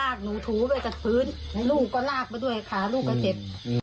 หนูถูไปกับพื้นลูกก็ลากไปด้วยขาลูกก็เจ็บ